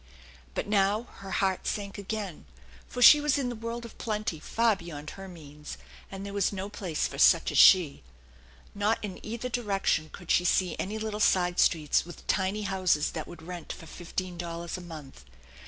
But now her heart sank again, for she was in the world of plenty far beyond her means, and there was no place for such as she. Not in either direction could she see any little side streets with tiny houses that would rent for fifteen dollars a month.